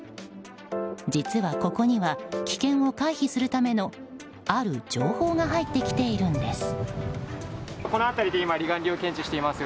実は、ここには危険を回避するためのある情報が入ってきているんです。